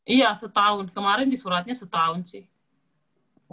iya setahun kemarin disuratnya setahun sih